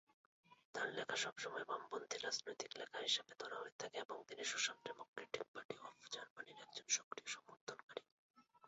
তার লেখা সবসময় বামপন্থী রাজনৈতিক লেখা হিসেবে ধরা হয়ে থাকে এবং তিনি সোশ্যাল ডেমোক্রেটিক পার্টি অফ জার্মানির একজন সক্রিয় সমর্থনকারী।